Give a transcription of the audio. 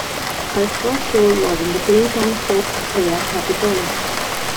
Her first role was in the daytime soap opera "Capitol".